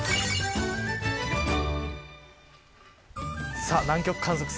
さあ、南極観測船